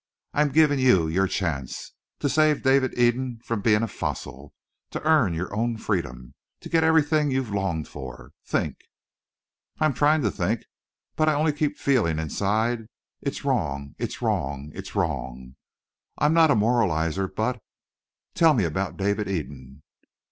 I'm giving you your chance. To save Dave Eden from being a fossil. To earn your own freedom. To get everything you've longed for. Think!" "I'm trying to think but I only keep feeling, inside, 'It's wrong! It's wrong! It's wrong!' I'm not a moralizer, but tell me about David Eden!"